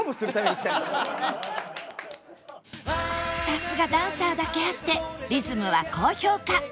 さすがダンサーだけあってリズムは高評価